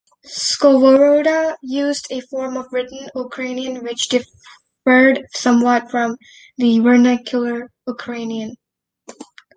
Skovoroda used a form of written Ukrainian which differed somewhat from the vernacular Ukrainian.